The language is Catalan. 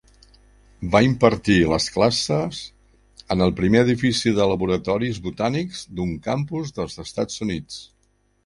Va impartir les classes en el primer edifici de laboratoris botànics d'un campus dels Estats Units.